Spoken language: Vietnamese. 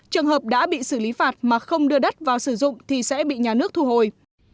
trường hợp đã bị xử lý phạt mà không đưa đất vào sử dụng thì sẽ bị nhà nước thu hồi